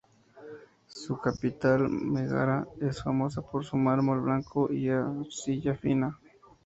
Su capital, Megara, es famosa por su mármol blanco y arcilla fina.